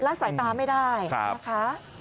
สายตาไม่ได้นะคะ